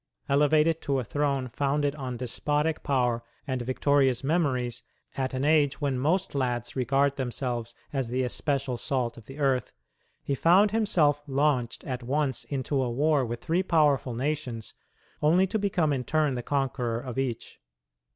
Elevated to a throne founded on despotic power and victorious memories, at an age when most lads regard themselves as the especial salt of the earth, he found himself launched at once into a war with three powerful nations, only to become in turn the conqueror of each.